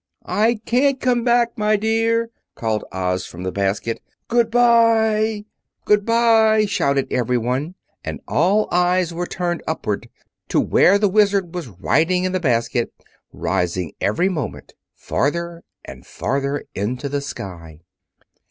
"I can't come back, my dear," called Oz from the basket. "Good bye!" "Good bye!" shouted everyone, and all eyes were turned upward to where the Wizard was riding in the basket, rising every moment farther and farther into the sky.